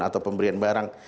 atau pemberian barang